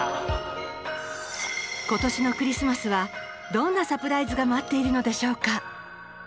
今年のクリスマスはどんなサプライズが待っているのでしょうか？